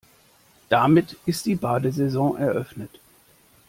Damit ist die Badesaison eröffnet.